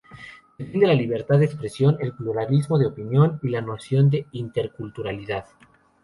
Defiende la libertad de expresión, el pluralismo de opinión y la noción de interculturalidad.